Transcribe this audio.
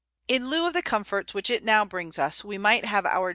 In lieu of the comforts which it now brings us we might have our.